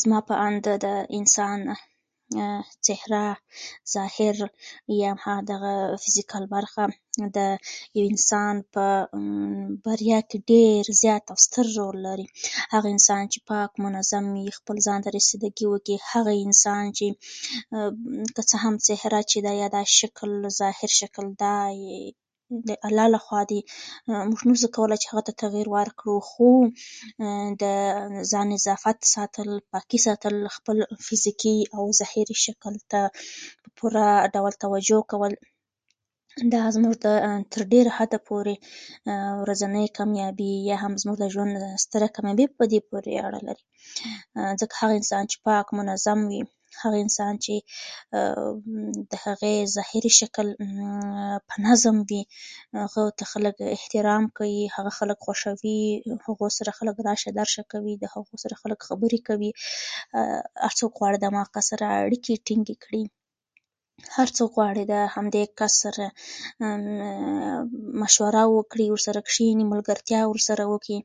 زما په اند د انسان څېره، ظاهر یا د هغه فزیکل برخه د یو انسان په بریا کې ډېر زيات او ستر رول لري. هغه انسان چې پاک او منظم وي، خپل ځان ته رسیدګي وکړي، هغه انسان چې که څه هم څهره چې ده یا دا ظاهر شکل دا د الله له خوا دی. موږ نه شو کولای چې هغه ته تغیر ورکړو، خو خپل نظافت ساتل، پاکي ساتل، خپل ظاهري شکل ته په پوره ډول توجه کول، دا هم تر ډېر حده پورې زموږ ورځنۍ کامیابي، یا هم زموږ د ژوند ستره کامیابي په دې پورې اړه لري. ځکـه هر انسان چې پاک او منظم وي، هغه انسان چې د هغې امممم ظاهري شکل په نظم وي؛ نو هغه ته خلک احترام کوي، هغه خلک خوښوي، له هغو سره خلک راشه درشه کوي، د هغو سره خلک خبرې کوي، هر څوک غواړي د همغه سره اړیکې ټینګې کړي، هر څوک غواړي له همدې کس سره اممممم مشوره وکړي، ورسره کېني، ملګرتیا ورسره وکي،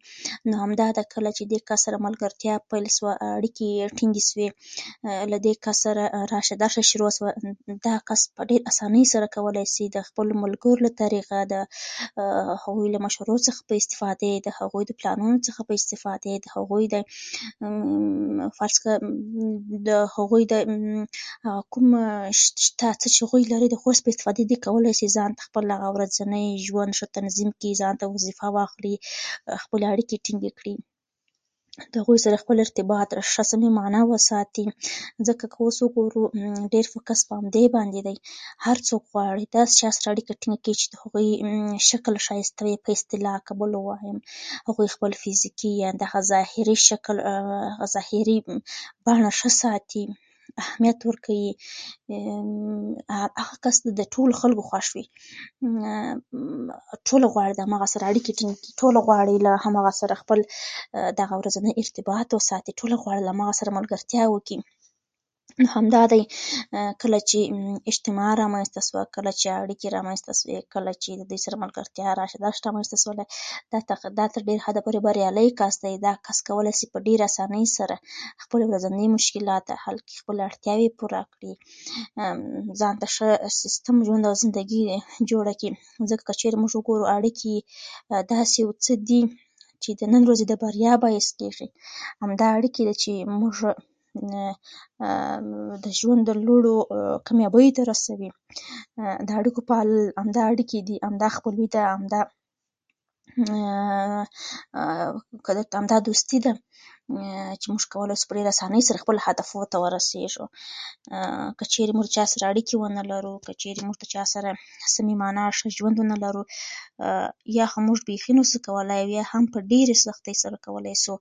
نو همدا ده کله چې له دې کس سره ملګرتیا پیل شوه، اړیکې یې ټینګې شوې، له دې کس سره راشه درشه شروع شوه، دغه کس په ډېرې اسانۍ سره کولای شي د خپلو ملګرو له طریقه د هغوی له مشورو سره په استفادې، د هغوی له قانون سره په استفادې، د هغوی د غرض کړه امممم د هغوی د دا څه چې هغوی لري د هغه څخه په استفادې کولای شي ځانته ورځنی ژوند ښه تنظیم کړي. ځان ته وظیفه واخلي، خپلې اړیکې ټینګې کړي، د هغوی سره خپل ارتباط په اصلي معنا وساتي، ځکه اوس وګورو ډېر فوکس په همدې باندې دی. هر کس غواړي له داسې کس سره اړیکې ټینګه کړي چې د هغوی شکل ښایسته وي. په اصطلاح که بل وویم هغوی خپل فزیکي شکل ظاهري بڼه ښه ساتي، اهميت ورکوي، اممم هغه کس د ټولو خلکو خوښ وي. ټول غواړي همغه سره اړیکې ټینګې کړي، ټول غواړي له همغه سره خپل دغه ورځنی ارتباط وساتي، ټول غواړي له همغه سره ملګرتیا وکړي. نو همدا دی کله چې اجتماع رامنځته شوه، کله چې اړیکې رامنځته شوې، کله چې له دې سره ملګرتیا راشه درشه رامنځته شوه، دا تر ډېره حده پورې بریالی کس دی. دا کس کولای شي په ډېره آسانۍ سره خپل ورځني مشکلات حل کړي، خپلې اړتیاوې پوره کړي، اممم ځان ته ښه سیستم ژوند او زندګي جوړه کړي، ځکه که چیرې موږ وګورو اړیکې داسې یو څه دي چې د نن ورځې د بریا باعث کېږي، همدا اړیکې دي چې موږ د ژوند اااااا لوړو کامیابیو ته رسوي. د اړیکو پالل، همدا اړیکې دي همدا خپلوي ده، همدا اآااا که درته ووايم همدا یوه دوستي ده. چې موږ کولای شو په آسانۍ سره خپل هدف ته ورسېږو. که چېرې موږ چا سره اړیکې و نه لرو که چېرې موږ له چا سره صمیمانه ښه ژوند ونه لرو، یا موږ بېخي نه شو کولای یا هم په ډېرې سختۍ سره کولای شو چې خپله ورځنی اړتیا پوره خپل مشکلات حل کړو او بریالی کس واوسو.